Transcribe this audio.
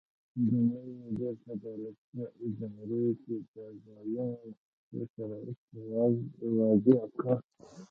لومړي وزیر په دولتي ادارو کې د ازموینې اخیستو شرایط وضع کړل.